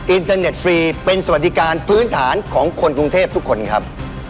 อินเทอร์เน็ตฟรีเป็นสวัสดิการพื้นฐานของคนกรุงเทพทุกคนครับ